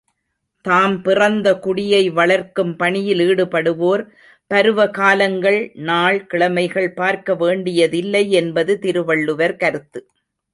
தாம் பிறந்த குடியை வளர்க்கும் பணியில் ஈடுபடுவோர், பருவகாலங்கள் நாள், கிழமைகள் பார்க்க வேண்டியதில்லை என்பது திருவள்ளுவர் கருத்து.